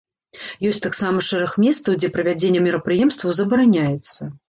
Ёсць таксама шэраг месцаў, дзе правядзенне мерапрыемстваў забараняецца.